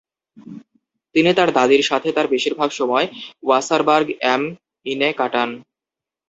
তিনি তার দাদীর সাথে তার বেশিরভাগ সময় ওয়াসারবার্গ অ্যাম ইন-এ কাটান।